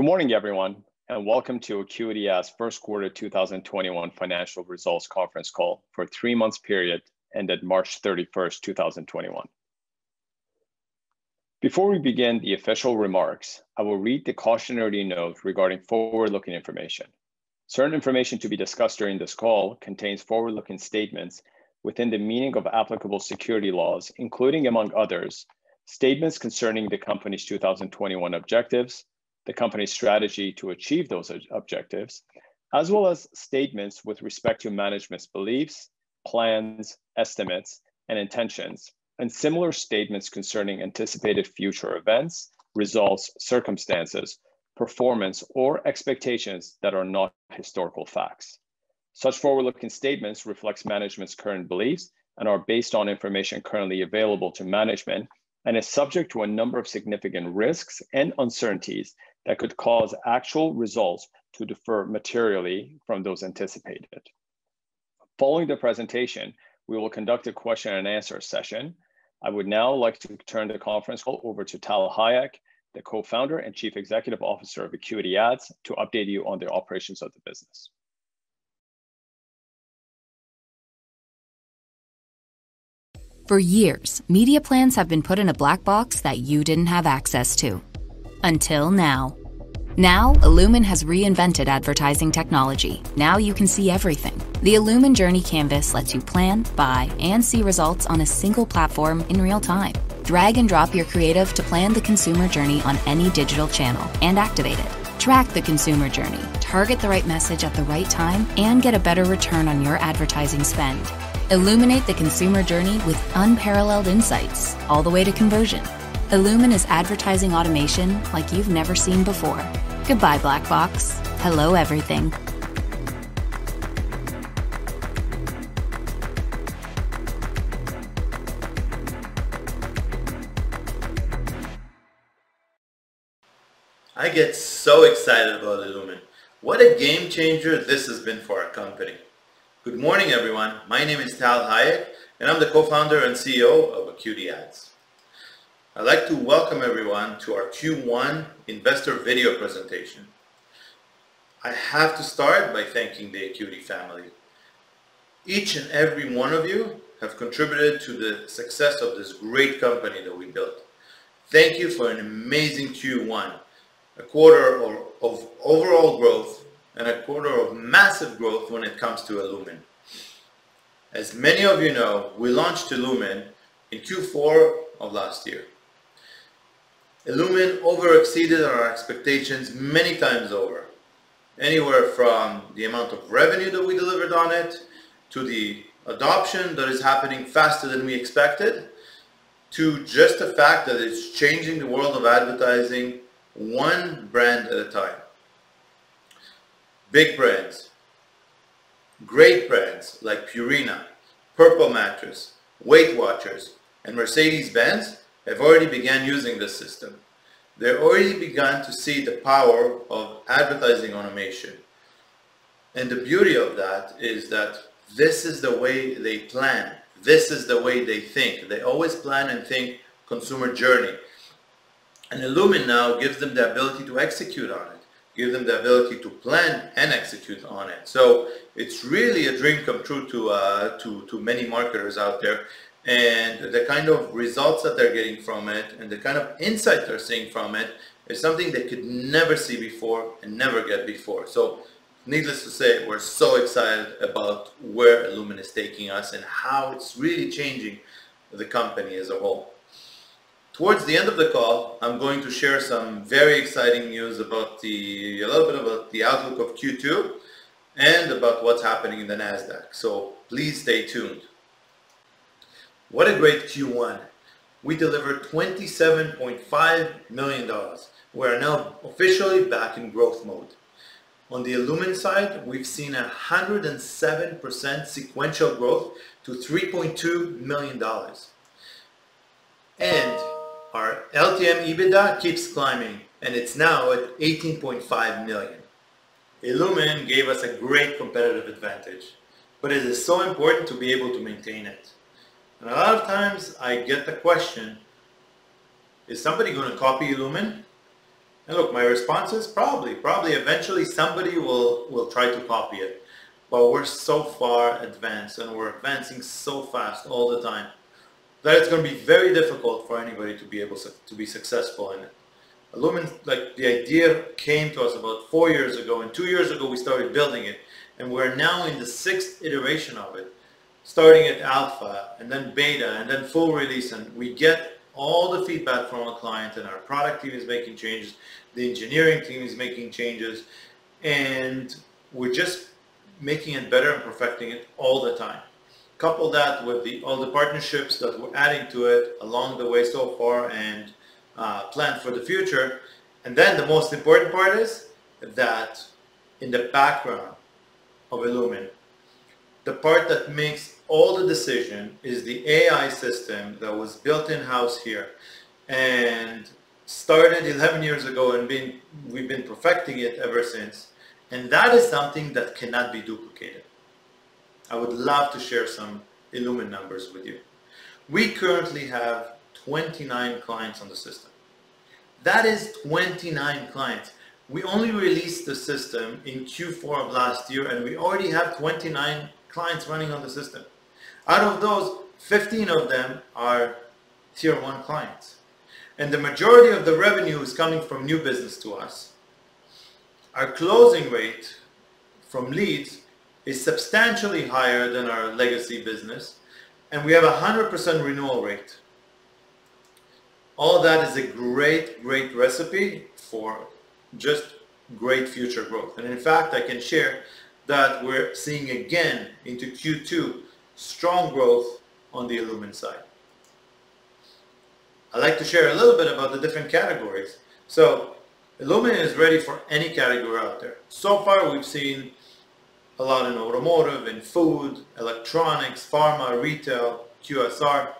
Good morning, everyone, and welcome to AcuityAds' first quarter 2021 financial results conference call for the three months period ended March 31st, 2021. Before we begin the official remarks, I will read the cautionary note regarding forward-looking information. Certain information to be discussed during this call contains forward-looking statements within the meaning of applicable security laws, including, among others, statements concerning the company's 2021 objectives, the company's strategy to achieve those objectives, as well as statements with respect to management's beliefs, plans, estimates, and intentions, and similar statements concerning anticipated future events, results, circumstances, performance, or expectations that are not historical facts. Such forward-looking statements reflect management's current beliefs and are based on information currently available to management and are subject to a number of significant risks and uncertainties that could cause actual results to differ materially from those anticipated. Following the presentation, we will conduct a question-and answer session. I would now like to turn the conference call over to Tal Hayek, the Co-Founder and Chief Executive Officer of AcuityAds, to update you on the operations of the business. For years, media plans have been put in a black box that you didn't have access to, until now. Now, illumin has reinvented advertising technology. Now you can see everything. The illumin Journey Canvas lets you plan, buy, and see results on a single platform in real-time. Drag and drop your creative to plan the consumer journey on any digital channel and activate it. Track the consumer journey, target the right message at the right time, and get a better return on your advertising spend. Illuminate the consumer journey with unparalleled insights all the way to conversion. illumin is advertising automation like you've never seen before. Goodbye, black box. Hello, everything. I get so excited about illumin. What a game-changer this has been for our company. Good morning, everyone. My name is Tal Hayek, and I'm the Co-Founder and CEO of AcuityAds. I'd like to welcome everyone to our Q1 investor video presentation. I have to start by thanking the Acuity family. Each and every one of you have contributed to the success of this great company that we built. Thank you for an amazing Q1, a quarter of overall growth and a quarter of massive growth when it comes to illumin. As many of you know, we launched illumin in Q4 of last year. illumin over exceeded our expectations many times over. Anywhere from the amount of revenue that we delivered on it, to the adoption that is happening faster than we expected, to just the fact that it's changing the world of advertising one brand at a time. Big brands, great brands like Purina, Purple Mattress, Weight Watchers, and Mercedes-Benz have already begun using this system. They've already begun to see the power of advertising automation. The beauty of that is that this is the way they plan. This is the way they think. They always plan and think consumer journey. illumin now gives them the ability to execute on it, gives them the ability to plan and execute on it. It's really a dream come true to many marketers out there. The kind of results that they're getting from it and the kind of insights they're seeing from it is something they could never see before and never get before. Needless to say, we're so excited about where illumin is taking us and how it's really changing the company as a whole. Towards the end of the call, I'm going to share some very exciting news, a little bit about the outlook of Q2 and about what's happening in the Nasdaq. Please stay tuned. What a great Q1. We delivered 27.5 million dollars. We are now officially back in growth mode. On the illumin side, we've seen 107% sequential growth to CAD 3.2 million. Our LTM EBITDA keeps climbing, and it's now at CAD 18.5 million. illumin gave us a great competitive advantage, but it is so important to be able to maintain it. A lot of times I get the question: Is somebody going to copy illumin? Look, my response is probably. Probably eventually somebody will try to copy it. We're so far advanced, and we're advancing so fast all the time that it's going to be very difficult for anybody to be able to be successful in it. illumin, the idea came to us about four years ago, and two years ago, we started building it, and we're now in the sixth iteration of it, starting at alpha and then beta, and then full release. We get all the feedback from our clients, and our product team is making changes. The engineering team is making changes. We're just making it better and perfecting it all the time. Couple that with all the partnerships that we're adding to it along the way so far and plan for the future. Then the most important part is that in the background of illumin, the part that makes all the decisions is the AI system that was built in-house here and started 11 years ago, and we've been perfecting it ever since. That is something that cannot be duplicated. I would love to share some illumin numbers with you. We currently have 29 clients on the system. That is 29 clients. We only released the system in Q4 of last year, and we already have 29 clients running on the system. Out of those, 15 of them are tier 1 clients, and the majority of the revenue is coming from new business to us. Our closing rate from leads is substantially higher than our legacy business, and we have 100% renewal rate. All that is a great recipe for just great future growth. In fact, I can share that we're seeing again into Q2, strong growth on the illumin side. I'd like to share a little bit about the different categories. illumin is ready for any category out there. Far, we've seen a lot in automotive, in food, electronics, pharma, retail, QSR,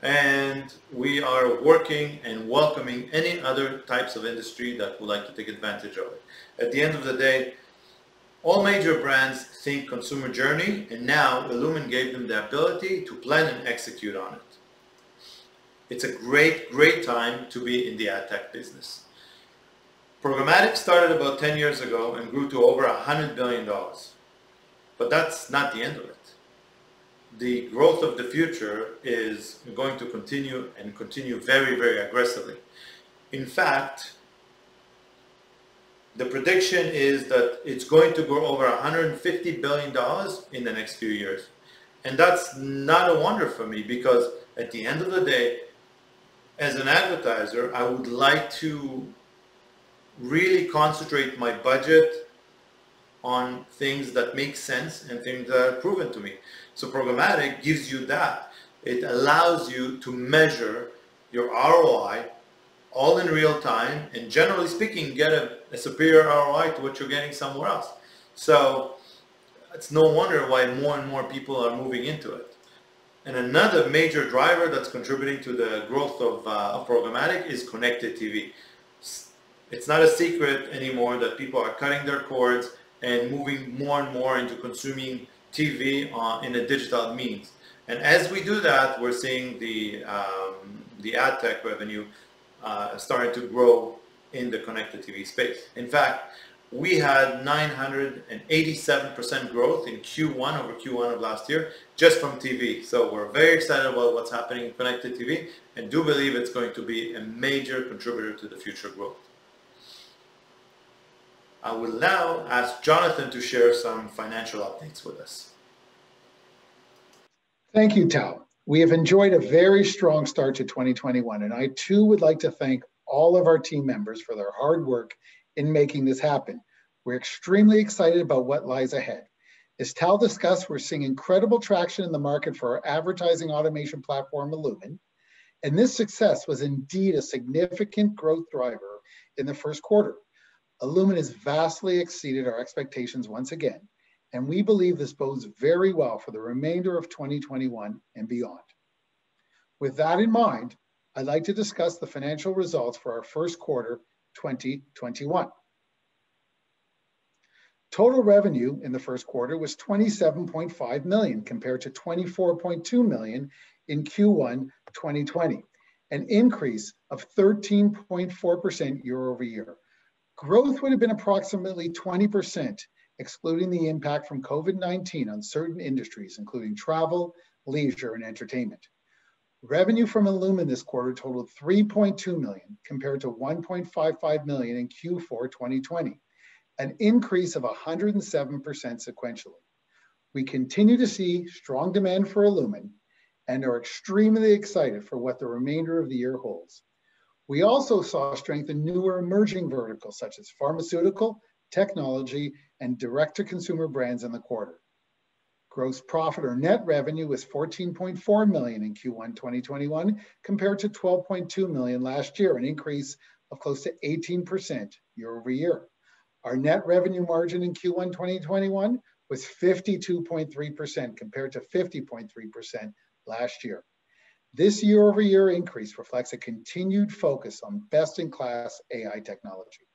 and we are working and welcoming any other types of industry that would like to take advantage of it. At the end of the day, all major brands think consumer journey and now illumin gave them the ability to plan and execute on it. It's a great time to be in the adtech business. programmatic started about 10 years ago and grew to over 100 billion dollars. That's not the end of it. The growth of the future is going to continue and continue very aggressively. In fact, the prediction is that it's going to grow over 150 billion dollars in the next few years. That's not a wonder for me because at the end of the day, as an advertiser, I would like to really concentrate my budget on things that make sense and things that are proven to me. Programmatic gives you that. It allows you to measure your ROI all in real time, and generally speaking, get a superior ROI to what you're getting somewhere else. It's no wonder why more and more people are moving into it. Another major driver that's contributing to the growth of programmatic is connected TV. It's not a secret anymore that people are cutting their cords and moving more and more into consuming TV in a digital means. As we do that, we're seeing the ad tech revenue starting to grow in the connected TV space. In fact, we had 987% growth in Q1 over Q1 of last year just from TV. We're very excited about what's happening in connected TV and do believe it's going to be a major contributor to the future growth. I will now ask Jonathan to share some financial updates with us. Thank you, Tal. We have enjoyed a very strong start to 2021, and I too would like to thank all of our team members for their hard work in making this happen. We're extremely excited about what lies ahead. As Tal discussed, we're seeing incredible traction in the market for our advertising automation platform, illumin, and this success was indeed a significant growth driver in the first quarter. illumin has vastly exceeded our expectations once again, and we believe this bodes very well for the remainder of 2021 and beyond. With that in mind, I'd like to discuss the financial results for our first quarter 2021. Total revenue in the first quarter was 27.5 million, compared to 24.2 million in Q1 2020, an increase of 13.4% year-over-year. Growth would have been approximately 20%, excluding the impact from COVID-19 on certain industries, including travel, leisure, and entertainment. Revenue from illumin this quarter totaled 3.2 million, compared to 1.55 million in Q4 2020, an increase of 107% sequentially. We continue to see strong demand for illumin and are extremely excited for what the remainder of the year holds. We also saw strength in newer emerging verticals such as pharmaceutical, technology, and direct-to-consumer brands in the quarter. Gross profit or net revenue was 14.4 million in Q1 2021 compared to 12.2 million last year, an increase of close to 18% year-over-year. Our net revenue margin in Q1 2021 was 52.3% compared to 50.3% last year. This year-over-year increase reflects a continued focus on best-in-class AI technology.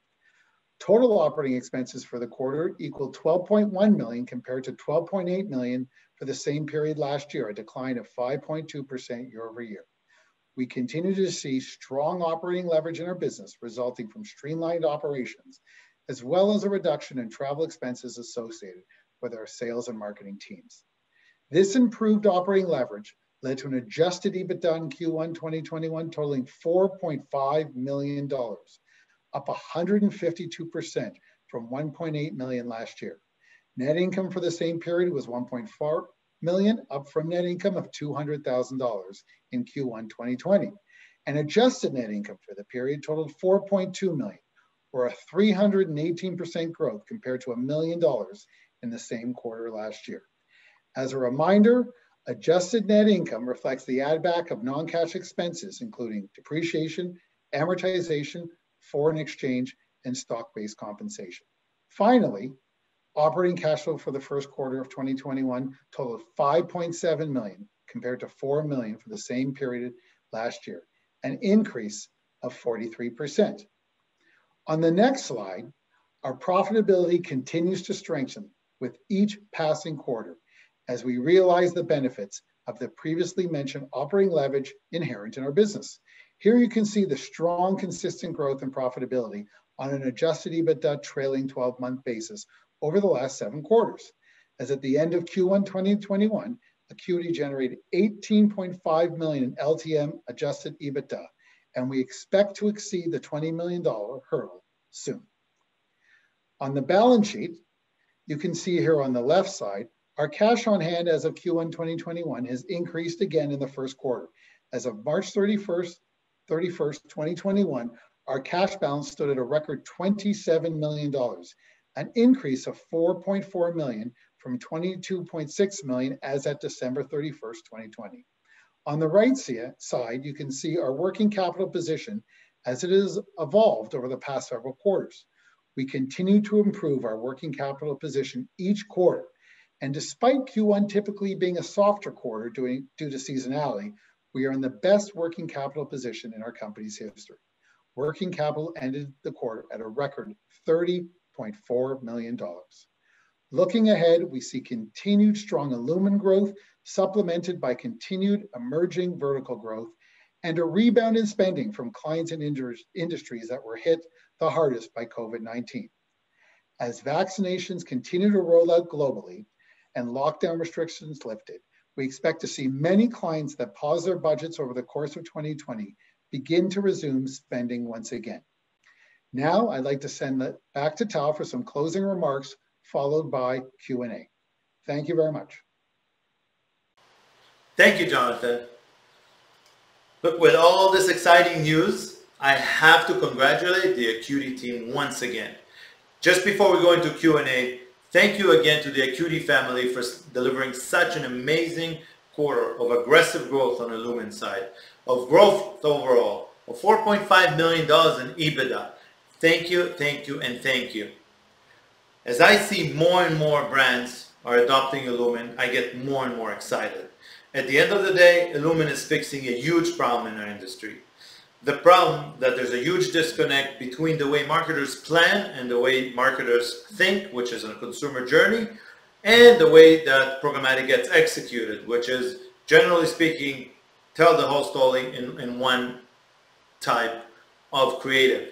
Total operating expenses for the quarter equal 12.1 million compared to 12.8 million for the same period last year, a decline of 5.2% year-over-year. We continue to see strong operating leverage in our business resulting from streamlined operations as well as a reduction in travel expenses associated with our sales and marketing teams. This improved operating leverage led to an adjusted EBITDA in Q1 2021 totaling 4.5 million dollars, up 152% from 1.8 million last year. Net income for the same period was 1.4 million, up from net income of 200,000 dollars in Q1 2020, and adjusted net income for the period totaled 4.2 million, or a 318% growth compared to 1 million dollars in the same quarter last year. As a reminder, adjusted net income reflects the add back of non-cash expenses, including depreciation, amortization, foreign exchange, and stock-based compensation. Finally, operating cash flow for the first quarter of 2021 totaled 5.7 million compared to 4 million for the same period last year, an increase of 43%. On the next slide, our profitability continues to strengthen with each passing quarter as we realize the benefits of the previously mentioned operating leverage inherent in our business. Here you can see the strong, consistent growth and profitability on an adjusted EBITDA trailing 12-month basis over the last seven quarters. As at the end of Q1 2021, Acuity generated 18.5 million in LTM adjusted EBITDA, and we expect to exceed the 20 million dollar hurdle soon. On the balance sheet, you can see here on the left side, our cash on hand as of Q1 2021 has increased again in the first quarter. As of March 31st, 2021, our cash balance stood at a record 27 million dollars, an increase of 4.4 million from 22.6 million as at December 31st, 2020. On the right side, you can see our working capital position as it has evolved over the past several quarters. Despite Q1 typically being a softer quarter due to seasonality, we are in the best working capital position in our company's history. Working capital ended the quarter at a record 30.4 million dollars. Looking ahead, we see continued strong illumin growth supplemented by continued emerging vertical growth and a rebound in spending from clients and industries that were hit the hardest by COVID-19. As vaccinations continue to roll out globally and lockdown restrictions lifted, we expect to see many clients that paused their budgets over the course of 2020 begin to resume spending once again. Now, I'd like to send it back to Tal for some closing remarks, followed by Q&A. Thank you very much. Thank you, Jonathan. Look, with all this exciting news, I have to congratulate the Acuity team once again. Just before we go into Q&A, thank you again to the Acuity family for delivering such an amazing quarter of aggressive growth on the illumin side, of growth overall, of 4.5 million dollars in EBITDA. Thank you, thank you and thank you. As I see more and more brands are adopting illumin, I get more and more excited. At the end of the day, illumin is fixing a huge problem in our industry. The problem that there's a huge disconnect between the way marketers plan and the way marketers think, which is on a consumer journey, and the way that programmatic gets executed, which is generally speaking, tell the whole story in one type of creative.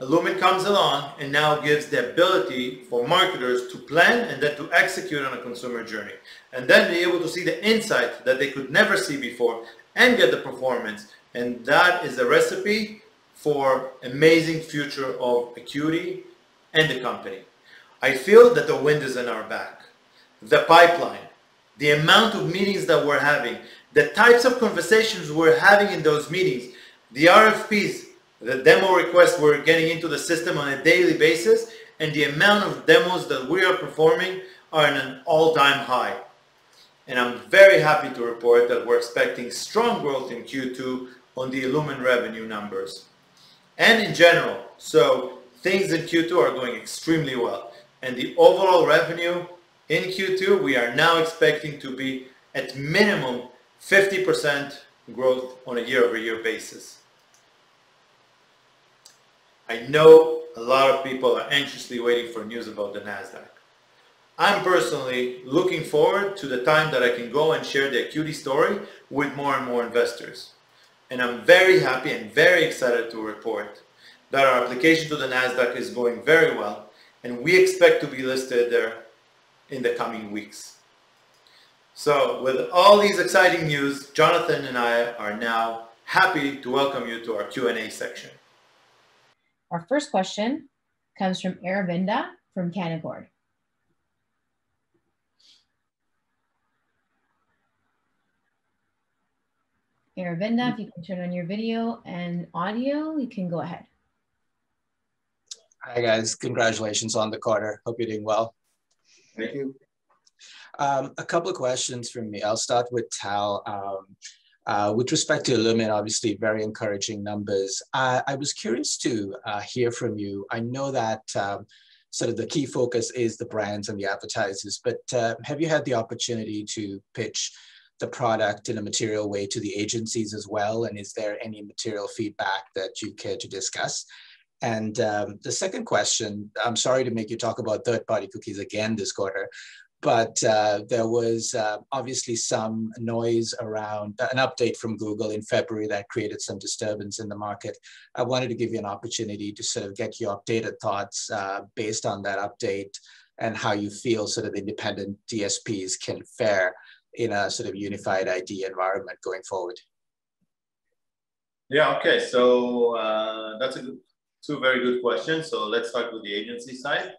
illumin comes along and now gives the ability for marketers to plan and then to execute on a consumer journey, and then be able to see the insights that they could never see before and get the performance, and that is the recipe for amazing future of Acuity and the company. I feel that the wind is in our back. The pipeline, the amount of meetings that we're having, the types of conversations we're having in those meetings, the RFPs, the demo requests we're getting into the system on a daily basis, and the amount of demos that we are performing are at an all-time high. I'm very happy to report that we're expecting strong growth in Q2 on the illumin revenue numbers and in general. Things in Q2 are going extremely well, and the overall revenue in Q2, we are now expecting to be at minimum 50% growth on a year-over-year basis. I know a lot of people are anxiously waiting for news about the Nasdaq. I'm personally looking forward to the time that I can go and share the Acuity story with more and more investors, and I'm very happy and very excited to report that our application to the Nasdaq is going very well, and we expect to be listed there in the coming weeks. With all these exciting news, Jonathan and I are now happy to welcome you to our Q&A section. Our first question comes from Aravinda from Canaccord. Aravinda, if you can turn on your video and audio, you can go ahead. Hi, guys. Congratulations on the quarter. Hope you're doing well. Thank you. A couple of questions from me. I'll start with Tal. With respect to illumin, obviously very encouraging numbers. I was curious to hear from you, I know that sort of the key focus is the brands and the advertisers, but have you had the opportunity to pitch the product in a material way to the agencies as well, and is there any material feedback that you'd care to discuss? The second question, I'm sorry to make you talk about third-party cookies again this quarter, but there was obviously some noise around an update from Google in February that created some disturbance in the market. I wanted to give you an opportunity to sort of get your updated thoughts based on that update and how you feel sort of independent DSPs can fare in a sort of unified ID environment going forward. Yeah, okay. That's two very good questions. Let's start with the agency side.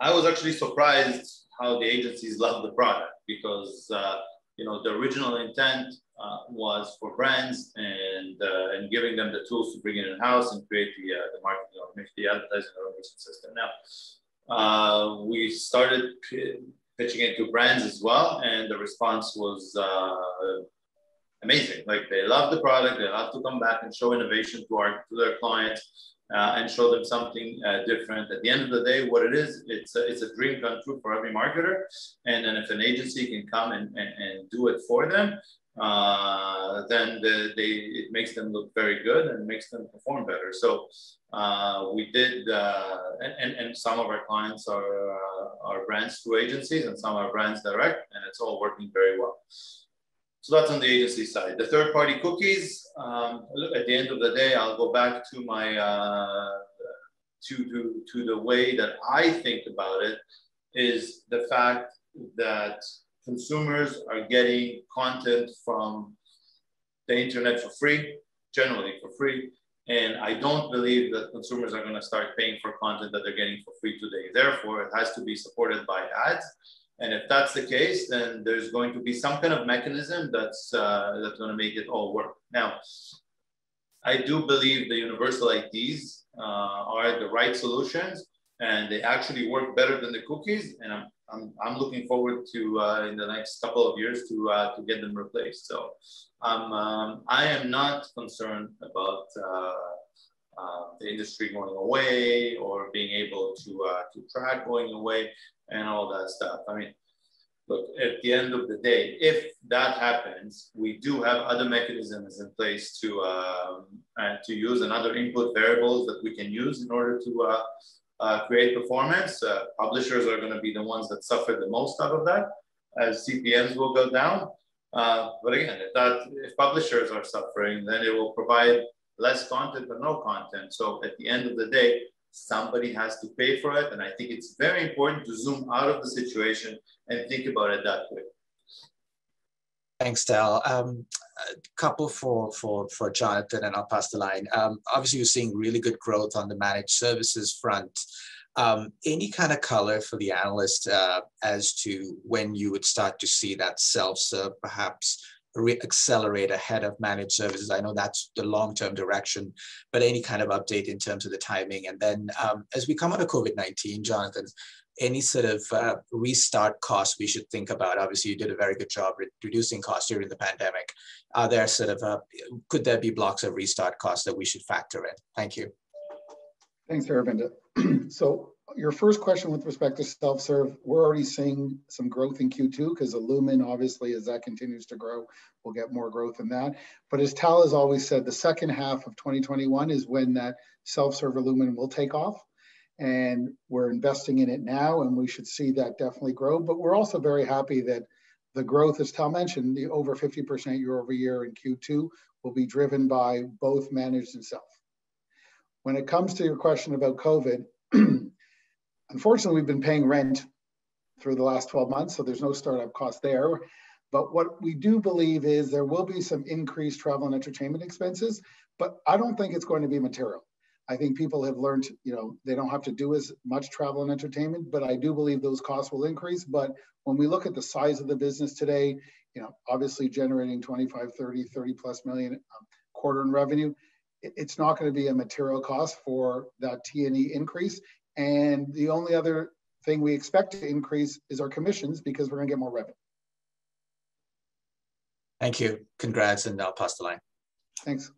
I was actually surprised how the agencies loved the product because the original intent was for brands and giving them the tools to bring it in-house and create the marketing automation, the advertising automation system. Now, we started pitching it to brands as well, and the response was amazing. Like, they love the product. They love to come back and show innovation to their clients, and show them something different. At the end of the day, what it is, it's a dream come true for every marketer, and if an agency can come and do it for them, it makes them look very good and makes them perform better. Some of our clients are brands through agencies and some are brands direct, and it's all working very well. That's on the agency side. The third-party cookies, look, at the end of the day, I'll go back to the way that I think about it, is the fact that consumers are getting content from the internet for free, generally for free. I don't believe that consumers are going to start paying for content that they're getting for free today. Therefore, it has to be supported by ads. If that's the case, then there's going to be some kind of mechanism that's going to make it all work. I do believe the universal IDs are the right solutions, and they actually work better than the cookies, and I'm looking forward to, in the next couple of years, to get them replaced. I am not concerned about the industry going away or being able to track going away and all that stuff. Look, at the end of the day, if that happens, we do have other mechanisms in place to use and other input variables that we can use in order to create performance. Publishers are going to be the ones that suffer the most out of that, as CPMs will go down. Again, if publishers are suffering, then it will provide less content or no content. At the end of the day, somebody has to pay for it, and I think it's very important to zoom out of the situation and think about it that way. Thanks, Tal. A couple for Jonathan, and I'll pass the line. Obviously, you're seeing really good growth on the managed services front. Any kind of color for the analyst as to when you would start to see that self-serve perhaps re-accelerate ahead of managed services? I know that's the long-term direction, but any kind of update in terms of the timing? As we come out of COVID-19, Jonathan, any sort of restart costs we should think about? Obviously, you did a very good job reducing costs during the pandemic. Could there be blocks of restart costs that we should factor in? Thank you. Thanks, Aravinda. Your first question with respect to self-serve, we're already seeing some growth in Q2 because illumin, obviously, as that continues to grow, we'll get more growth in that. As Tal has always said, the second half of 2021 is when that self-serve illumin will take off, and we're investing in it now, and we should see that definitely grow. We're also very happy that the growth, as Tal mentioned, the over 50% year-over-year in Q2 will be driven by both managed and self. When it comes to your question about COVID, unfortunately, we've been paying rent through the last 12 months, so there's no startup cost there. What we do believe is there will be some increased travel and entertainment expenses, I don't think it's going to be material. I think people have learned they don't have to do as much travel and entertainment, but I do believe those costs will increase. When we look at the size of the business today, obviously generating 25 million, CAD 30 million, 30-plus million a quarter in revenue, it's not going to be a material cost for that T&E increase. The only other thing we expect to increase is our commissions because we're going to get more revenue. Thank you. Congrats, I'll pass the line. Thanks.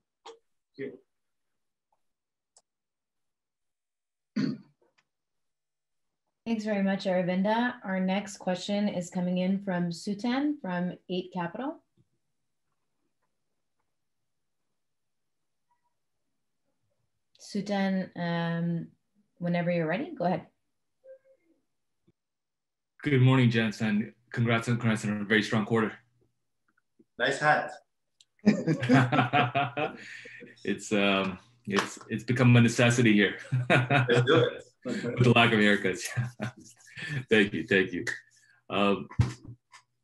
Thank you. Thanks very much, Aravinda. Our next question is coming in from Suthan from Eight Capital. Suthan, whenever you're ready, go ahead. Good morning, gents, and congrats on a very strong quarter. Nice hat. It's become a necessity here. It's good. With the lack of haircuts. Thank you.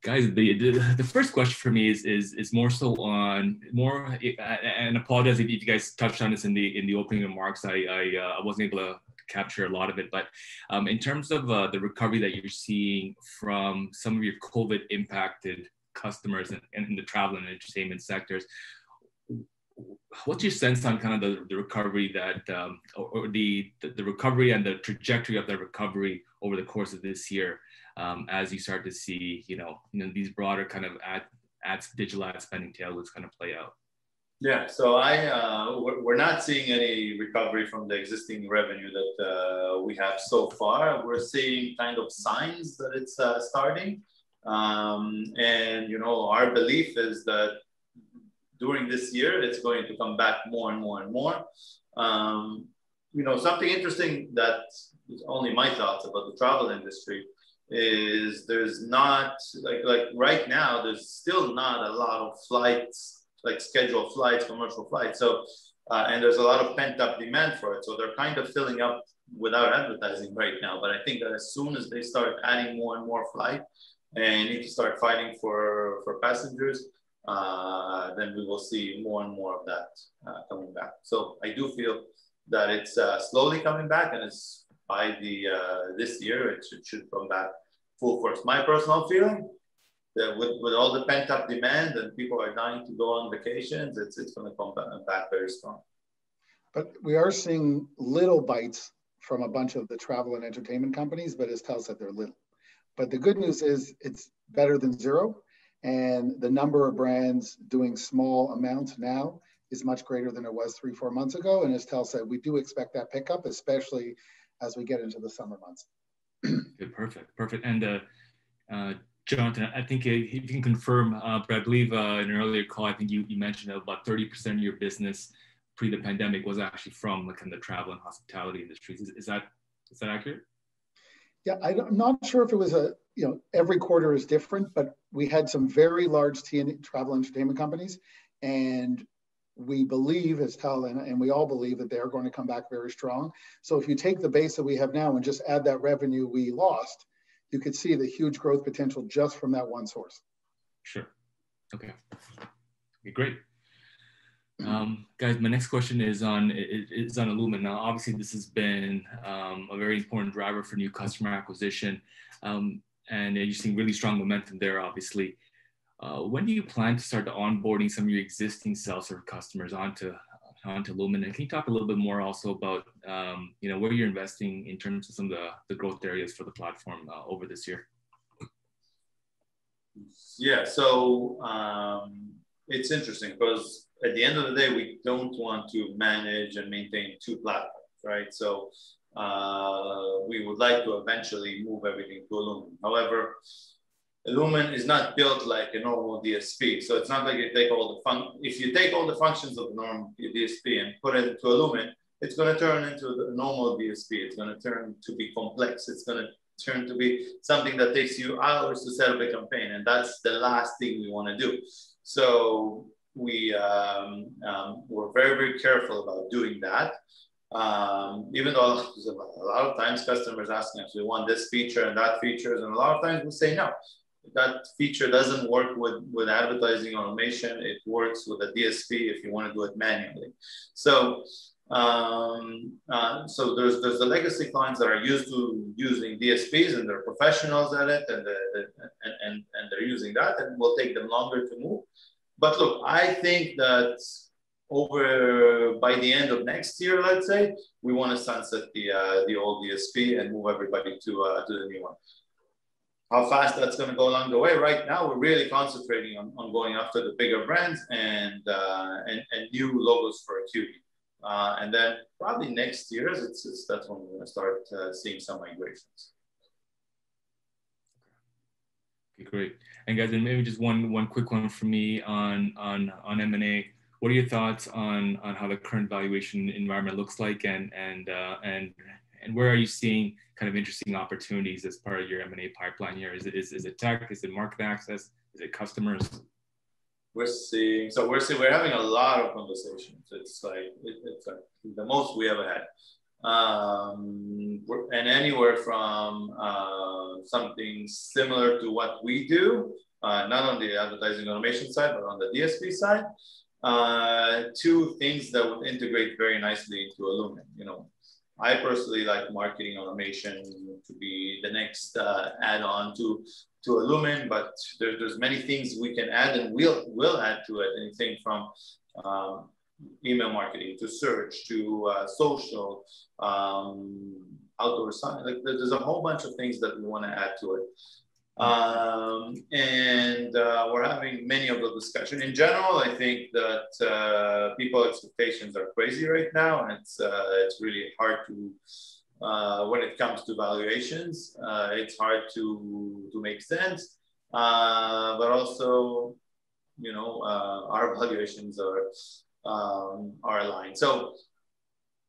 Guys, the first question for me is more so on, apologies if you guys touched on this in the opening remarks, I wasn't able to capture a lot of it. In terms of the recovery that you're seeing from some of your COVID-impacted customers in the travel and entertainment sectors, what's your sense on the recovery and the trajectory of the recovery over the course of this year as you start to see these broader ads, digital ad spending, Tal, that's going to play out? Yeah. We're not seeing any recovery from the existing revenue that we have so far. We're seeing signs that it's starting. Our belief is that during this year, it's going to come back more and more. Something interesting that, it's only my thoughts about the travel industry, is right now, there's still not a lot of scheduled flights, commercial flights, and there's a lot of pent-up demand for it. They're kind of filling up without advertising right now. I think as soon as they start adding more and more flights and need to start fighting for passengers, then we will see more and more of that coming back. I do feel that it's slowly coming back, and by this year, it should come back full force. My personal feeling, that with all the pent-up demand and people are dying to go on vacations, it's going to come back very strong. We are seeing little bites from a bunch of the travel and entertainment companies, but as Tal said, they're little. The good news is it's better than zero, and the number of brands doing small amounts now is much greater than it was three, four months ago. As Tal said, we do expect that pickup, especially as we get into the summer months. Okay, perfect. Perfect. Jonathan, I think you can confirm, but I believe in an earlier call, I think you mentioned about 30% of your business pre the pandemic was actually from the travel and hospitality industries. Is that accurate? I'm not sure if it was Every quarter is different, but we had some very large T&E, travel entertainment companies, and we believe, as Tal and we all believe, that they are going to come back very strong. If you take the base that we have now and just add that revenue we lost, you could see the huge growth potential just from that one source. Sure. Okay. Okay, great. Guys, my next question is on illumin. Obviously this has been a very important driver for new customer acquisition, and you're seeing really strong momentum there, obviously. When do you plan to start onboarding some of your existing self-serve customers onto illumin? Can you talk a little bit more also about where you're investing in terms of some of the growth areas for the platform over this year? It's interesting because at the end of the day, we don't want to manage and maintain two platforms, right? We would like to eventually move everything to illumin. However, illumin is not built like a normal DSP, so it's not like you take all the functions of a normal DSP and put it to illumin, it's going to turn into a normal DSP. It's going to turn to be complex. It's going to turn to be something that takes you hours to set up a campaign, and that's the last thing we want to do. We're very, very careful about doing that, even though a lot of times customers are asking us, We want this feature and that feature. A lot of times we say, No, that feature doesn't work with advertising automation. It works with a DSP if you want to do it manually. There's the legacy clients that are used to using DSPs, and they're professionals at it, and they're using that, and it will take them longer to move. Look, I think that by the end of next year, let's say, we want to sunset the old DSP and move everybody to the new one. How fast that's going to go along the way, right now we're really concentrating on going after the bigger brands and new logos for Acuity. Then probably next year, that's when we're going to start seeing some migrations. Okay, great. Guys, maybe just one quick one from me on M&A. What are your thoughts on how the current valuation environment looks like, and where are you seeing kind of interesting opportunities as part of your M&A pipeline here? Is it tech? Is it market access? Is it customers? We're having a lot of conversations. It's like the most we ever had. Anywhere from something similar to what we do, not on the advertising automation side, but on the DSP side, to things that would integrate very nicely into illumin. I personally like marketing automation to be the next add-on to illumin, but there's many things we can add, and we'll add to it. Anything from email marketing to search to social, outdoor sign. There's a whole bunch of things that we want to add to it. We're having many of those discussions. In general, I think that people's expectations are crazy right now, and when it comes to valuations, it's hard to make sense. Also our valuations are aligned.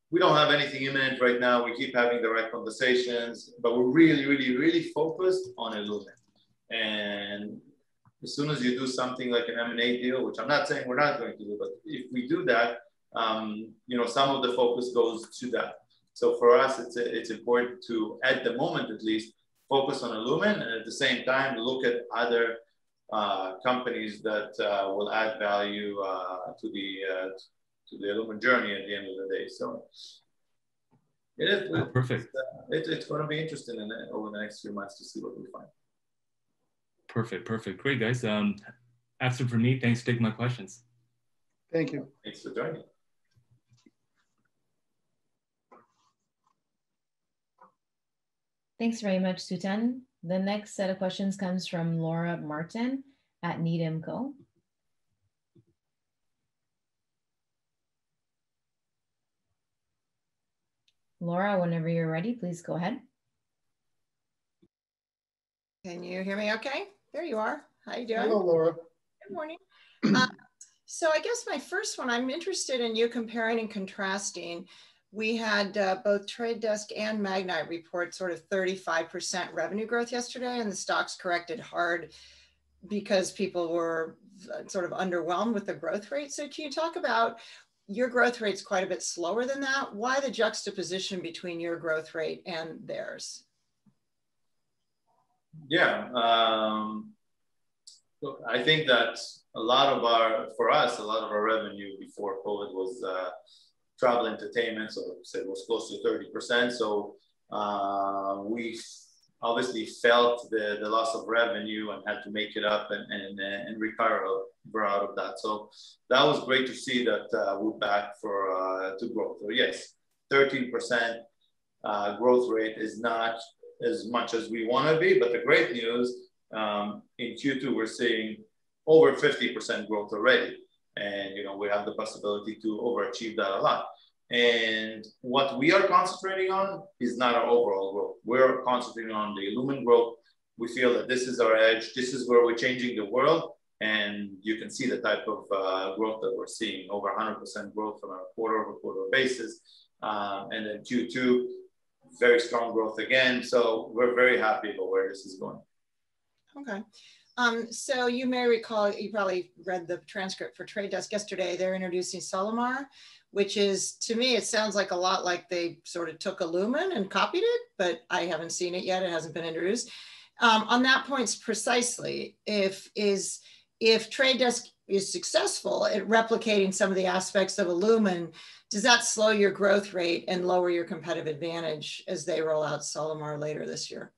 We don't have anything imminent right now. We keep having the right conversations, but we're really, really, really focused on illumin. As soon as you do something like an M&A deal, which I'm not saying we're not going to do, but if we do that some of the focus goes to that. For us, it's important to, at the moment at least, focus on illumin and at the same time look at other companies that will add value to the illumin journey at the end of the day. Oh, perfect. it's going to be interesting over the next few months to see what we find. Perfect. Great, guys. That's it for me. Thanks for taking my questions. Thank you. Thanks for joining. Thanks very much, Suthan. The next set of questions comes from Laura Martin at Needham Co. Laura, whenever you're ready, please go ahead. Can you hear me okay? There you are. How you doing? Hello, Laura. Good morning. I guess my first one, I am interested in you comparing and contrasting, we had both The Trade Desk and Magnite report sort of 35% revenue growth yesterday, and the stocks corrected hard because people were sort of underwhelmed with the growth rate. Can you talk about your growth rate's quite a bit slower than that. Why the juxtaposition between your growth rate and theirs? Yeah. Look, I think that for us, a lot of our revenue before COVID was travel entertainment, I'd say it was close to 30%. We obviously felt the loss of revenue and had to make it up and recover out of that. That was great to see that we're back to growth. Yes, 13% growth rate is not as much as we want to be, but the great news, in Q2, we're seeing over 50% growth already, and we have the possibility to overachieve that a lot. What we are concentrating on is not our overall growth. We're concentrating on the illumin growth. We feel that this is our edge, this is where we're changing the world, and you can see the type of growth that we're seeing, over 100% growth on a quarter-over-quarter basis. Q2, very strong growth again. We're very happy about where this is going. Okay. You may recall, you probably read the transcript for The Trade Desk yesterday. They're introducing Solimar, which to me, it sounds a lot like they sort of took illumin and copied it, but I haven't seen it yet. It hasn't been introduced. On that point precisely, if The Trade Desk is successful at replicating some of the aspects of illumin, does that slow your growth rate and lower your competitive advantage as they roll out Solimar later this year?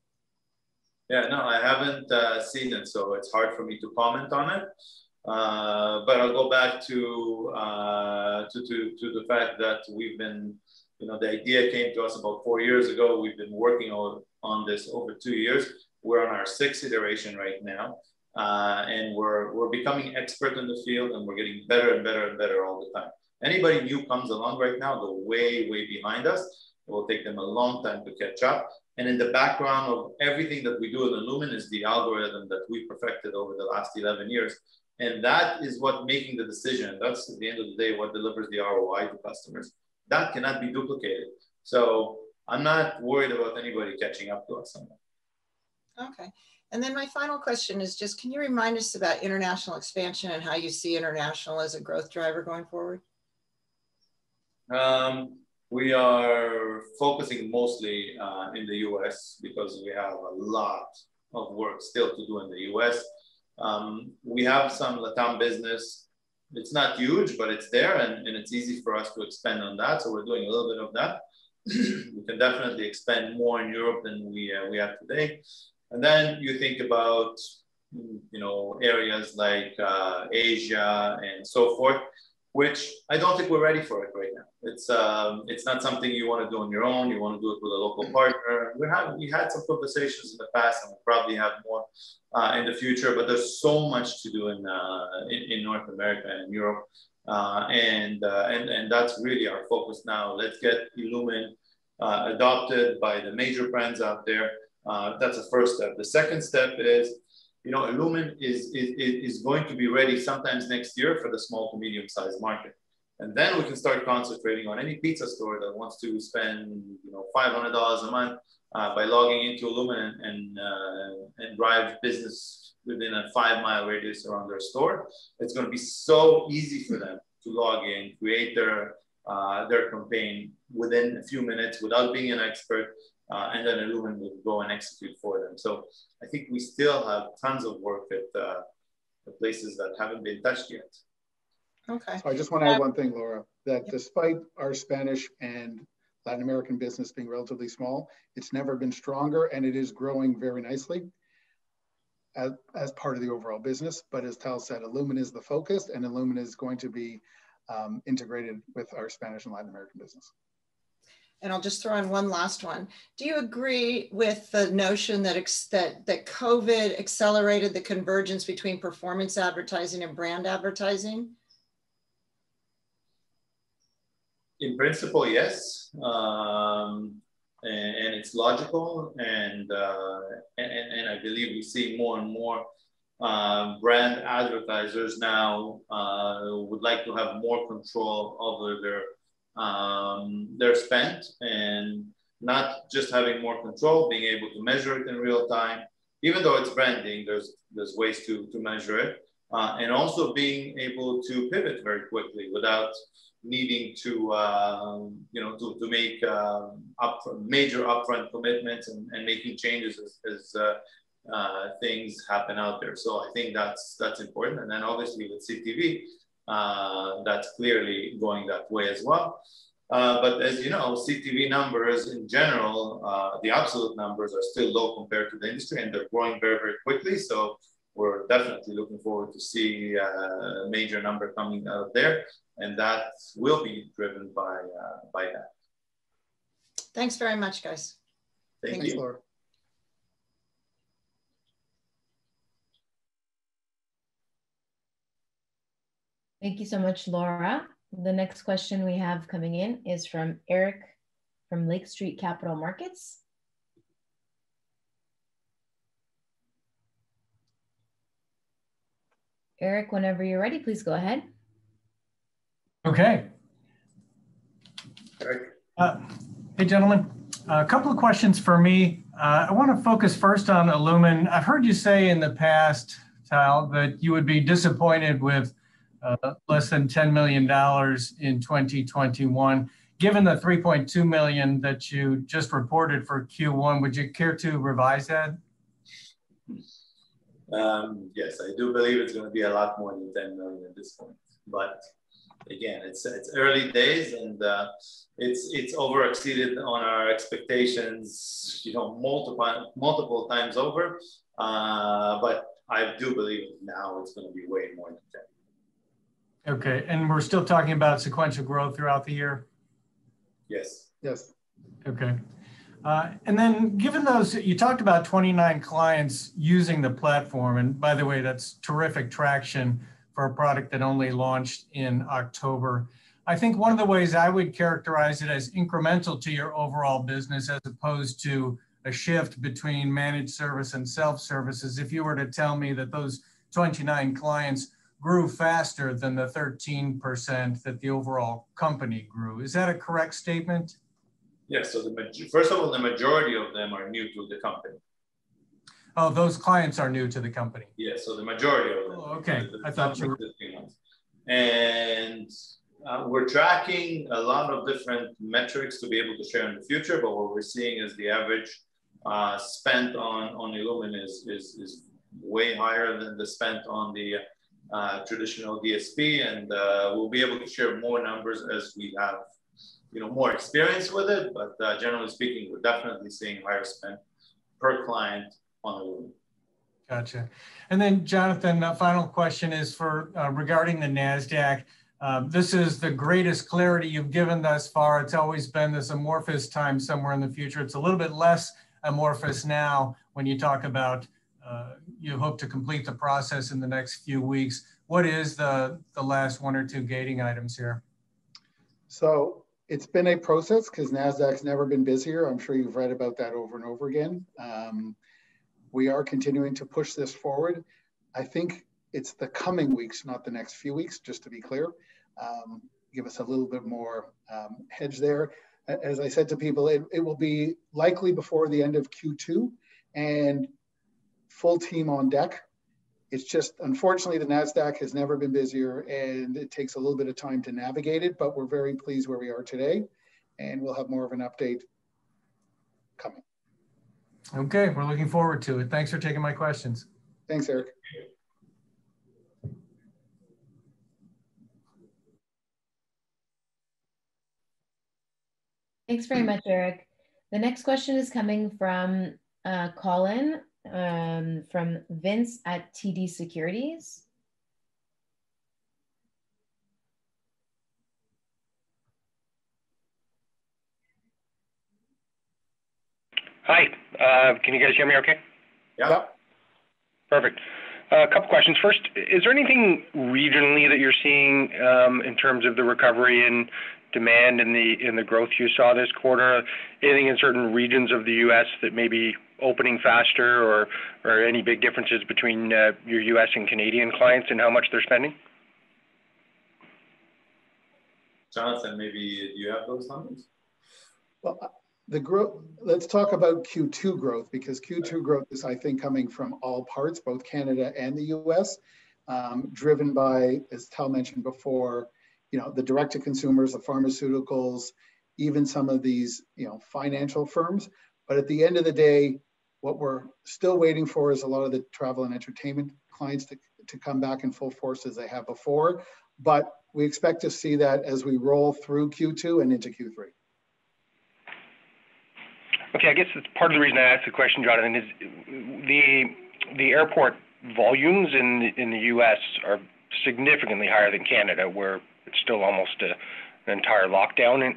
Yeah. No, I haven't seen it, so it's hard for me to comment on it. I'll go back to the fact that the idea came to us about four years ago. We've been working on this over two years. We're on our sixth iteration right now, and we're becoming expert in the field, and we're getting better and better all the time. Anybody new comes along right now, they're way behind us, it will take them a long time to catch up. In the background of everything that we do at illumin is the algorithm that we perfected over the last 11 years, and that is what making the decision, that's at the end of the day, what delivers the ROI to customers. That cannot be duplicated. I'm not worried about anybody catching up to us on that. Okay. My final question is just can you remind us about international expansion and how you see international as a growth driver going forward? We are focusing mostly in the U.S. because we have a lot of work still to do in the U.S. We have some LATAM business. It's not huge, but it's there, and it's easy for us to expand on that, so we're doing a little bit of that. We can definitely expand more in Europe than we have today. You think about areas like Asia and so forth, which I don't think we're ready for it right now. It's not something you want to do on your own. You want to do it with a local partner. We had some conversations in the past, and we'll probably have more in the future, but there's so much to do in North America and Europe, and that's really our focus now. Let's get illumin adopted by the major brands out there. That's the first step. The second step is illumin is going to be ready sometimes next year for the small to medium-sized market. We can start concentrating on any pizza store that wants to spend 500 dollars a month by logging into illumin and drive business within a five-mile radius around their store. It's going to be so easy for them to log in, create their campaign within a few minutes without being an expert, and then illumin will go and execute for them. I think we still have tons of work with the places that haven't been touched yet. Okay. I just want to add one thing, Laura, that despite our Spanish and Latin American business being relatively small, it's never been stronger, and it is growing very nicely as part of the overall business. As Tal said, illumin is the focus, and illumin is going to be integrated with our Spanish and Latin American business. I'll just throw in one last one. Do you agree with the notion that COVID accelerated the convergence between performance advertising and brand advertising? In principle, yes, it's logical, and I believe we see more and more brand advertisers now who would like to have more control over their spend, not just having more control, being able to measure it in real time. Even though it's branding, there's ways to measure it, also being able to pivot very quickly without needing to make major upfront commitments and making changes as things happen out there. I think that's important. Obviously with CTV, that's clearly going that way as well. As you know, CTV numbers in general, the absolute numbers are still low compared to the industry, they're growing very, very quickly. We're definitely looking forward to see a major number coming out there, that will be driven by that. Thanks very much, guys. Thank you. Thanks, Laura. Thank you so much, Laura. The next question we have coming in is from Eric from Lake Street Capital Markets. Eric, whenever you're ready, please go ahead. Okay. Eric. Hey, gentlemen. A couple of questions for me. I want to focus first on illumin. I've heard you say in the past, Tal, that you would be disappointed with less than 10 million dollars in 2021. Given the 3.2 million that you just reported for Q1, would you care to revise that? I do believe it's going to be a lot more than 10 million at this point. Again, it's early days and it's over exceeded on our expectations multiple times over. I do believe now it's going to be way more than 10. Okay, we're still talking about sequential growth throughout the year? Yes. Yes. Okay. Given those, you talked about 29 clients using the platform, and by the way, that's terrific traction for a product that only launched in October. I think one of the ways I would characterize it as incremental to your overall business, as opposed to a shift between managed service and self-service, is if you were to tell me that those 29 clients grew faster than the 13% that the overall company grew. Is that a correct statement? Yes. First of all, the majority of them are new to the company. Oh, those clients are new to the company. Yes. The majority of them. Oh, okay. We're tracking a lot of different metrics to be able to share in the future. What we're seeing is the average spent on illumin is way higher than the spent on the traditional DSP and we'll be able to share more numbers as we have more experience with it. Generally speaking, we're definitely seeing higher spend per client on illumin. Got you. Jonathan, final question is regarding the Nasdaq. This is the greatest clarity you've given thus far. It's always been this amorphous time somewhere in the future. It's a little bit less amorphous now when you talk about you hope to complete the process in the next few weeks. What is the last one or two gating items here? It's been a process because Nasdaq has never been busier. I'm sure you've read about that over and over again. We are continuing to push this forward. I think it's the coming weeks, not the next few weeks, just to be clear. Give us a little bit more hedge there. As I said to people, it will be likely before the end of Q2 and full team on deck. It's just unfortunately, the Nasdaq has never been busier, and it takes a little bit of time to navigate it, but we're very pleased where we are today, and we'll have more of an update coming. Okay. We're looking forward to it. Thanks for taking my questions. Thanks, Eric. Thanks very much, Eric. The next question is coming from Vince at TD Securities. Hi, can you guys hear me okay? Yeah. Yeah. Perfect. A couple questions. First, is there anything regionally that you're seeing, in terms of the recovery and demand and the growth you saw this quarter? Anything in certain regions of the U.S. that may be opening faster or any big differences between your U.S. and Canadian clients and how much they're spending? Jonathan, maybe you have those numbers? Well, let's talk about Q2 growth because Q2 growth is, I think, coming from all parts, both Canada and the U.S., driven by, as Tal mentioned before, the direct-to-consumer, the pharmaceuticals, even some of these financial firms. At the end of the day, what we're still waiting for is a lot of the travel and entertainment clients to come back in full force as they have before. We expect to see that as we roll through Q2 and into Q3. Okay. I guess that's part of the reason I asked the question, Jonathan, is the airport volumes in the U.S. are significantly higher than Canada, where it's still almost an entire lockdown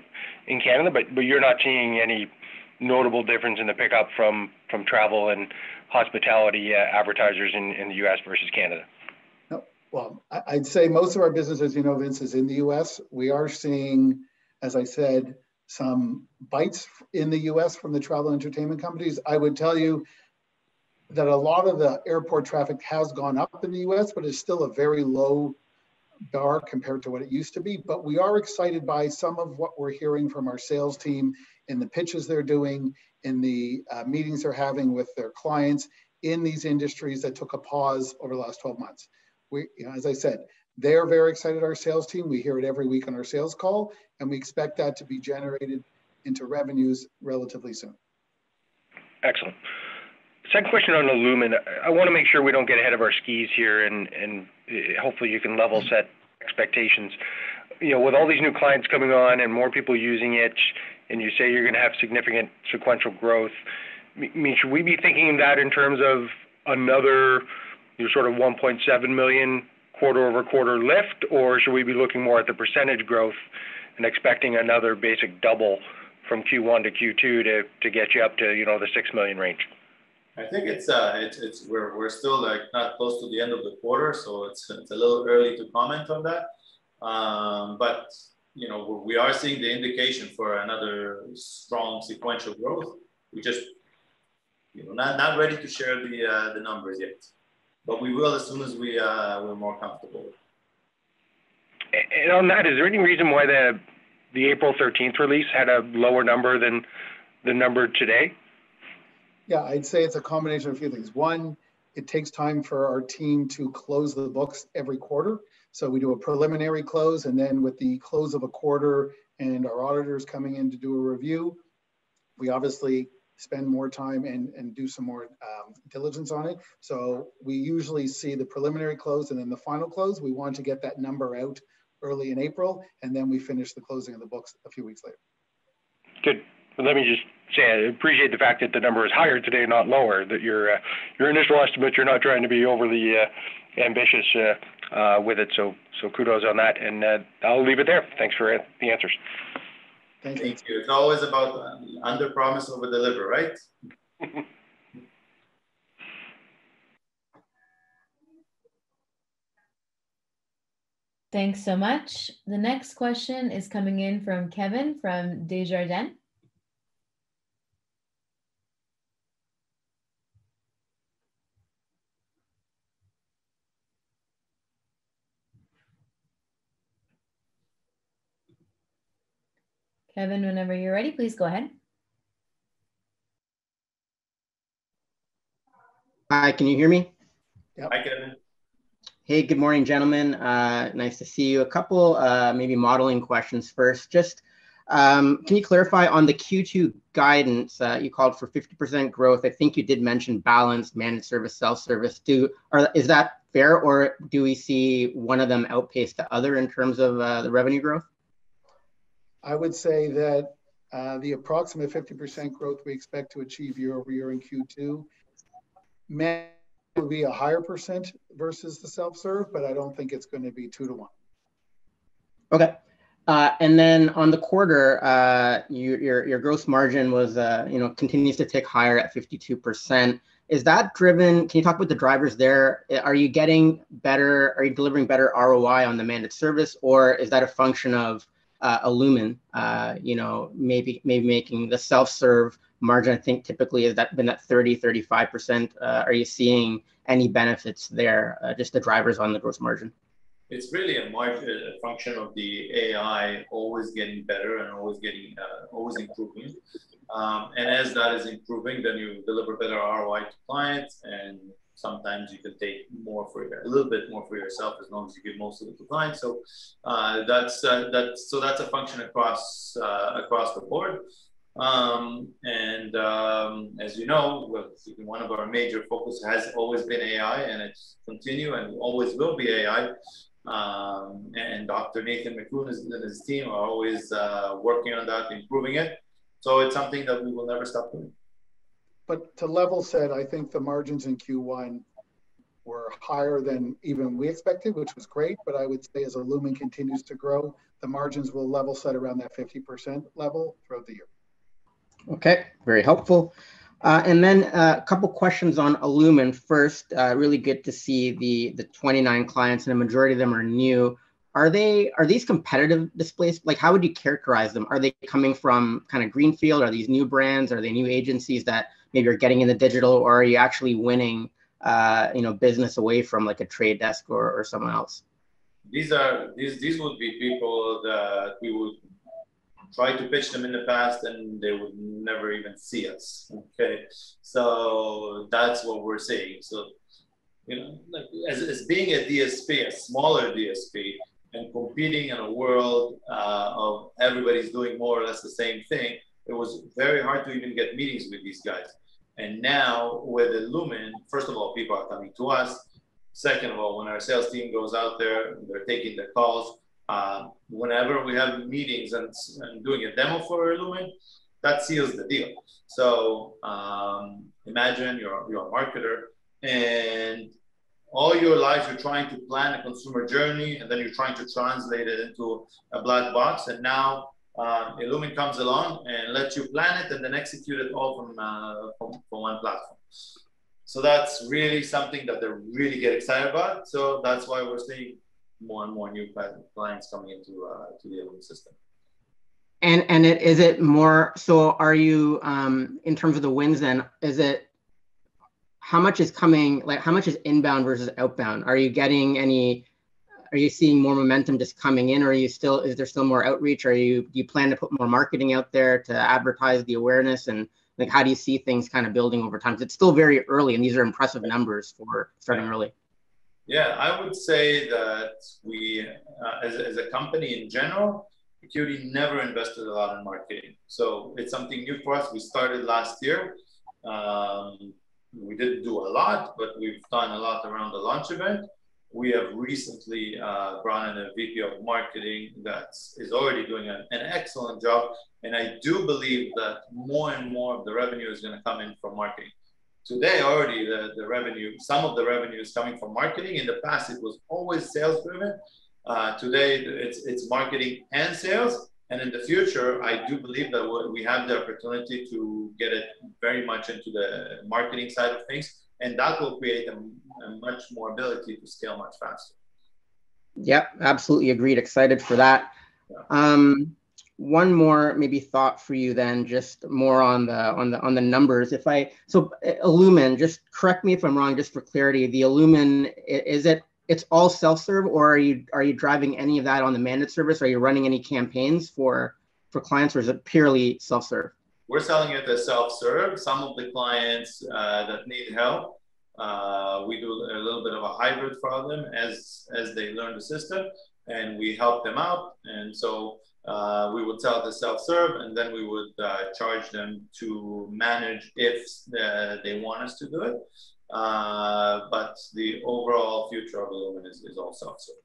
in Canada. You're not seeing any notable difference in the pickup from travel and hospitality advertisers in the U.S. versus Canada? No. Well, I'd say most of our business, as you know, Vince, is in the U.S. We are seeing, as I said, some bites in the U.S. from the travel and entertainment companies. I would tell you that a lot of the airport traffic has gone up in the U.S., but it's still a very low bar compared to what it used to be. We are excited by some of what we're hearing from our sales team in the pitches they're doing, in the meetings they're having with their clients in these industries that took a pause over the last 12 months. As I said, they are very excited, our sales team. We hear it every week on our sales call, and we expect that to be generated into revenues relatively soon. Excellent. Second question on illumin. I want to make sure we don't get ahead of our skis here and hopefully you can level set expectations. With all these new clients coming on and more people using it, and you say you're going to have significant sequential growth, should we be thinking that in terms of another sort of 1.7 million quarter-over-quarter lift, or should we be looking more at the percentage growth and expecting another basic double from Q1 to Q2 to get you up to the 6 million range? I think we're still not close to the end of the quarter. It's a little early to comment on that. We are seeing the indication for another strong sequential growth. We're just not ready to share the numbers yet. We will as soon as we're more comfortable. On that, is there any reason why the April 13th release had a lower number than the number today? Yeah, I'd say it's a combination of a few things. One, it takes time for our team to close the books every quarter. We do a preliminary close, and then with the close of a quarter and our auditors coming in to do a review, we obviously spend more time and do some more diligence on it. We usually see the preliminary close and then the final close. We want to get that number out early in April, and then we finish the closing of the books a few weeks later. Good. Let me just say, I appreciate the fact that the number is higher today and not lower, that your initial estimate, you're not trying to be overly ambitious with it. Kudos on that, and I'll leave it there. Thanks for the answers. Thank you. Thank you. It's always about underpromise, overdeliver, right? Thanks so much. The next question is coming in from Kevin from Desjardins. Kevin, whenever you're ready, please go ahead. Hi, can you hear me? Yep. Hi, Kevin. Hey, good morning, gentlemen. Nice to see you. A couple maybe modeling questions first. Just can you clarify on the Q2 guidance, you called for 50% growth? I think you did mention balanced managed service, self-service. Is that fair, or do we see one of them outpace the other in terms of the revenue growth? I would say that the approximate 50% growth we expect to achieve year-over-year in Q2 may will be a higher percent versus the self-serve, but I don't think it's going to be two to one. Okay. On the quarter, your gross margin continues to tick higher at 52%. Can you talk about the drivers there? Are you delivering better ROI on the managed service, or is that a function of illumin, maybe making the self-serve margin? I think typically, has that been at 30%, 35%? Are you seeing any benefits there, just the drivers on the gross margin? It's really a function of the AI always getting better and always improving. As that is improving, then you deliver better ROI to clients, and sometimes you could take a little bit more for yourself, as long as you give most of it to clients. That's a function across the board. As you know, one of our major focus has always been AI, and it's continue and always will be AI. Dr. Nathan McAoon and his team are always working on that, improving it. It's something that we will never stop doing. To level set, I think the margins in Q1 were higher than even we expected, which was great. I would say as illumin continues to grow, the margins will level set around that 50% level throughout the year. Okay. Very helpful. Two questions on illumin. First, really good to see the 29 clients, and a majority of them are new. Are these competitive displays? How would you characterize them? Are they coming from kind of greenfield? Are these new brands? Are they new agencies that maybe are getting into digital, or are you actually winning business away from a Trade Desk or someone else? These would be people that we would try to pitch them in the past, and they would never even see us. Okay. That's what we're seeing. As being a DSP, a smaller DSP, and competing in a world of everybody's doing more or less the same thing, it was very hard to even get meetings with these guys. Now, with illumin, first of all, people are coming to us. Second of all, when our sales team goes out there, they're taking the calls. Whenever we have meetings and doing a demo for illumin, that seals the deal. Imagine you're a marketer, and all your life, you're trying to plan a consumer journey, and then you're trying to translate it into a black box. Now, illumin comes along and lets you plan it and then execute it all from one platform. That's really something that they really get excited about. That's why we're seeing more and more new clients coming into the illumin system. In terms of the wins then, how much is inbound versus outbound? Are you seeing more momentum just coming in, or is there still more outreach? Do you plan to put more marketing out there to advertise the awareness, and how do you see things kind of building over time? It's still very early, and these are impressive numbers for starting early. Yeah, I would say that we, as a company in general, Acuity never invested a lot in marketing. It's something new for us. We started last year. We didn't do a lot. We've done a lot around the launch event. We have recently brought in a VP of Marketing that is already doing an excellent job. I do believe that more and more of the revenue is going to come in from marketing. Today, already, some of the revenue is coming from marketing. In the past, it was always sales-driven. Today, it's marketing and sales. In the future, I do believe that we have the opportunity to get it very much into the marketing side of things. That will create much more ability to scale much faster. Yep, absolutely agreed. Excited for that. Yeah. One more maybe thought for you, then, just more on the numbers. illumin, just correct me if I am wrong, just for clarity, the illumin, it is all self-serve, or are you driving any of that on the managed service? Are you running any campaigns for clients, or is it purely self-serve? We're selling it as self-serve. Some of the clients that needed help, we do a little bit of a hybrid for them as they learn the system, and we help them out. We would tell it to self-serve, and then we would charge them to manage if they want us to do it. The overall future of illumin is all self-serve.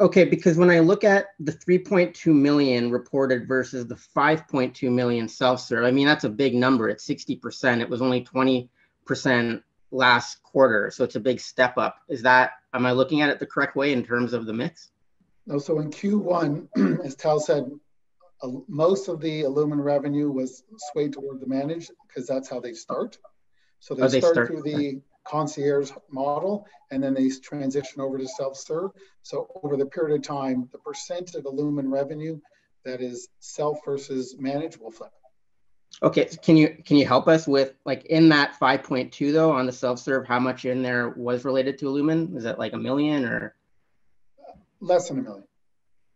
Okay, when I look at the 3.2 million reported versus the 5.2 million self-serve, that's a big number. It's 60%. It was only 20% last quarter, so it's a big step up. Am I looking at it the correct way in terms of the mix? No. In Q1, as Tal said, most of the illumin revenue was swayed toward the managed, because that's how they start. Oh, they start- They start through the concierge model, and then they transition over to self-serve. Over the period of time, the percent of illumin revenue that is self versus managed will flip. Okay. Can you help us with, in that 5.2, though, on the self-serve, how much in there was related to illumin? Is it like 1 million or? Less than 1 million.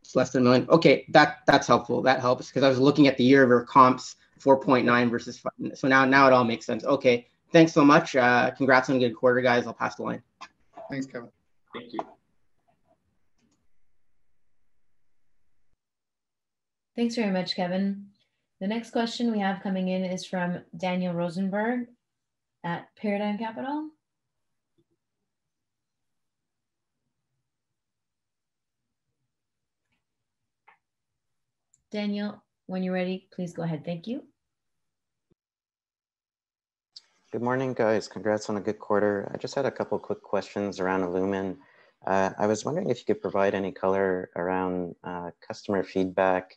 It's less than 1 million. Okay. That's helpful. That helps, I was looking at the year-over-year comps, 4.9 versus Now it all makes sense. Okay. Thanks so much. Congrats on a good quarter, guys. I'll pass the line. Thanks, Kevin. Thank you. Thanks very much, Kevin. The next question we have coming in is from Daniel Rosenberg at Paradigm Capital. Daniel, when you're ready, please go ahead. Thank you. Good morning, guys. Congrats on a good quarter. I just had a couple quick questions around illumin. I was wondering if you could provide any color around customer feedback,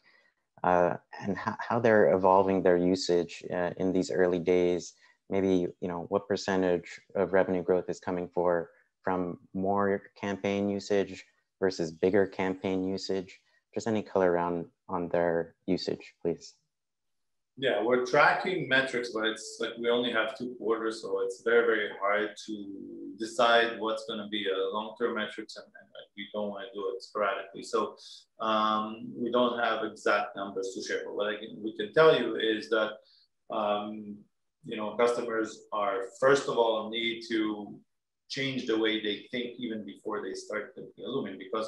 and how they're evolving their usage in these early days. Maybe, what % of revenue growth is coming from more campaign usage versus bigger campaign usage? Just any color around on their usage, please. Yeah. We're tracking metrics, but we only have two quarters, so it's very, very hard to decide what's going to be a long-term metrics, and we don't want to do it sporadically. We don't have exact numbers to share. What we can tell you is that customers, first of all, need to change the way they think even before they start with illumin. Because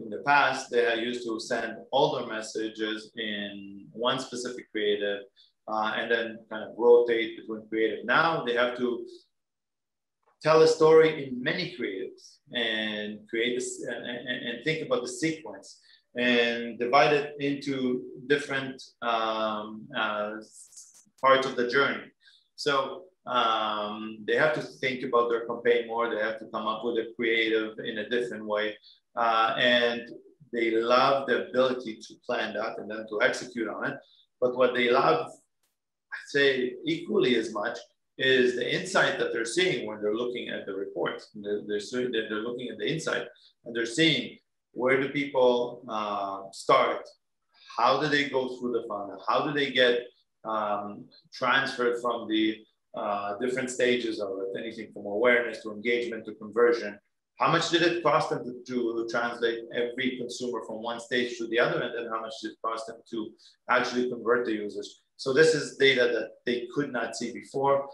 in the past, they are used to send all their messages in one specific creative, and then kind of rotate between creative. They have to tell a story in many creatives and think about the sequence and divide it into different parts of the journey. They have to think about their campaign more. They have to come up with a creative in a different way. They love the ability to plan that and then to execute on it. What they love, I'd say equally as much, is the insight that they're seeing when they're looking at the reports. They're looking at the insight, and they're seeing, where do people start? How do they go through the funnel? How do they get transferred from the different stages of it, anything from awareness to engagement to conversion? How much did it cost them to translate every consumer from 1 stage to the other? How much does it cost them to actually convert the users? This is data that they could not see before.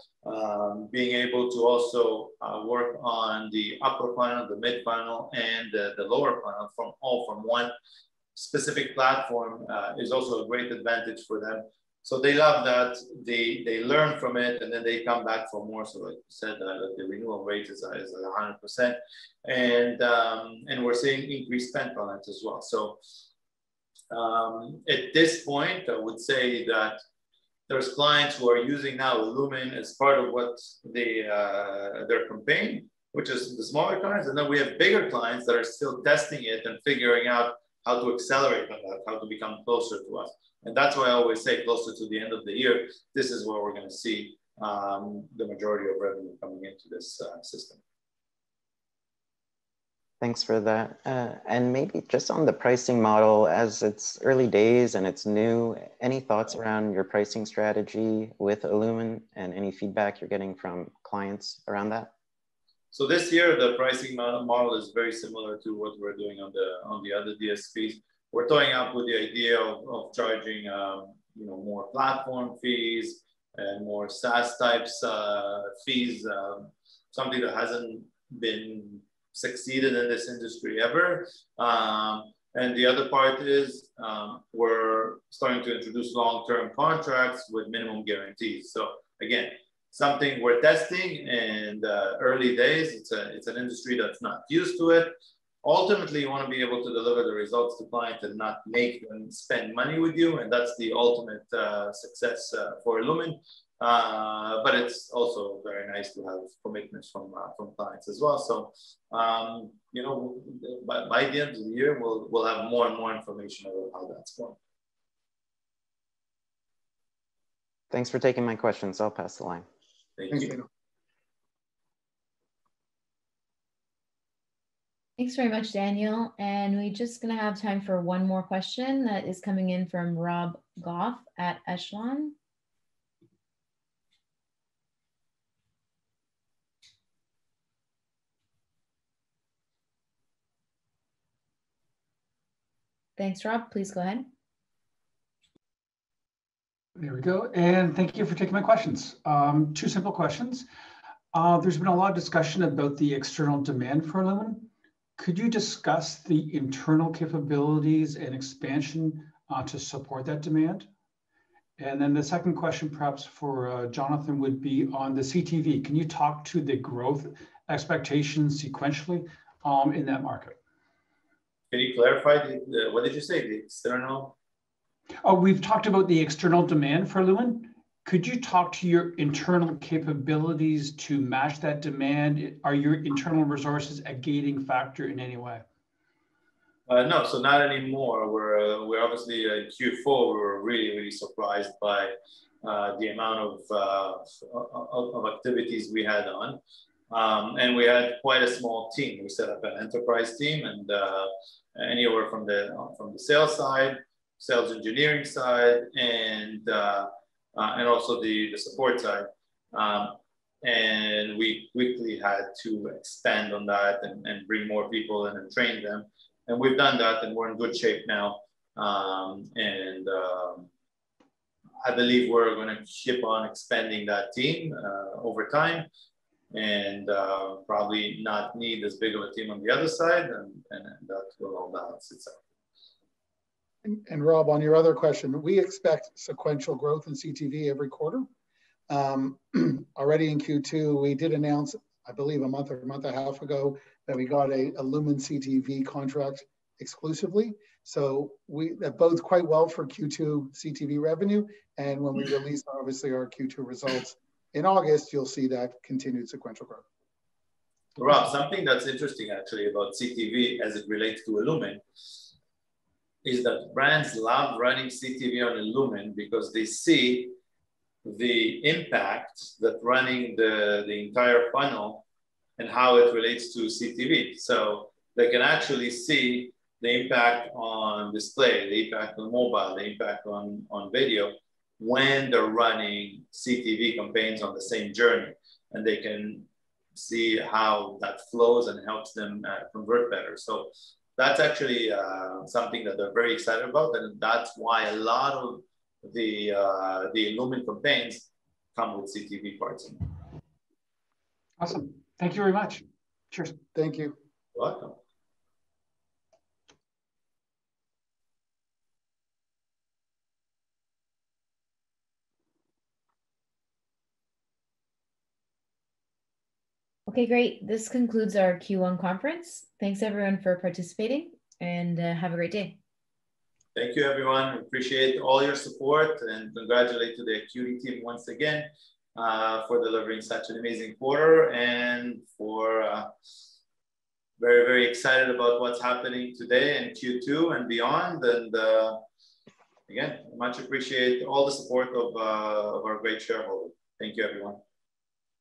Being able to also work on the upper funnel, the mid funnel, and the lower funnel, all from one specific platform, is also a great advantage for them. They love that. They learn from it, and then they come back for more. Like you said, the renewal rate is at 100%. We're seeing increased spend on it as well. At this point, I would say that there's clients who are using now illumin as part of their campaign, which is the smaller clients. Then we have bigger clients that are still testing it and figuring out how to accelerate on that, how to become closer to us. That's why I always say closer to the end of the year, this is where we're going to see the majority of revenue coming into this system. Thanks for that. Maybe just on the pricing model, as it's early days and it's new, any thoughts around your pricing strategy with illumin and any feedback you're getting from clients around that? This year, the pricing model is very similar to what we're doing on the other DSPs. We're toying up with the idea of charging more platform fees and more SaaS types fees, something that hasn't succeeded in this industry ever. The other part is, we're starting to introduce long-term contracts with minimum guarantees. Again, something we're testing in the early days. It's an industry that's not used to it. Ultimately, you want to be able to deliver the results to clients and not make them spend money with you, and that's the ultimate success for illumin. It's also very nice to have commitments from clients as well. By the end of the year, we'll have more and more information about how that's going. Thanks for taking my questions. I'll pass the line. Thank you. Thanks very much, Daniel. We're just going to have time for one more question that is coming in from Rob Goff at Echelon. Thanks, Rob. Please go ahead. There we go. Thank you for taking my questions. Two simple questions. There's been a lot of discussion about the external demand for illumin. Could you discuss the internal capabilities and expansion to support that demand? The second question, perhaps for Jonathan, would be on the CTV. Can you talk to the growth expectations sequentially in that market? Can you clarify? What did you say, the external? We've talked about the external demand for illumin. Could you talk to your internal capabilities to match that demand? Are your internal resources a gating factor in any way? No. Not anymore. Obviously, in Q4, we were really surprised by the amount of activities we had on, and we had quite a small team. We set up an enterprise team, and anywhere from the sales side, sales engineering side, and also the support side. We quickly had to expand on that and bring more people in and train them, and we've done that, and we're in good shape now. I believe we're going to keep on expanding that team over time and probably not need as big of a team on the other side, and that will all balance itself. Rob, on your other question, we expect sequential growth in CTV every quarter. Already in Q2, we did announce, I believe a month or a month a half ago, that we got a illumin CTV contract exclusively. That bodes quite well for Q2 CTV revenue, and when we release, obviously, our Q2 results in August, you'll see that continued sequential growth. Rob, something that's interesting, actually, about CTV as it relates to illumin, is that brands love running CTV on illumin because they see the impact that running the entire funnel and how it relates to CTV. They can actually see the impact on display, the impact on mobile, the impact on video when they're running CTV campaigns on the same journey, and they can see how that flows and helps them convert better. That's actually something that they're very excited about, and that's why a lot of the illumin campaigns come with CTV parts in them. Awesome. Thank you very much. Sure. Thank you. You're welcome. Okay, great. This concludes our Q1 conference. Thanks, everyone, for participating, and have a great day. Thank you, everyone. We appreciate all your support. Congratulate to the illumin team once again for delivering such an amazing quarter. Very excited about what's happening today in Q2 and beyond. Again, much appreciate all the support of our great shareholders. Thank you, everyone.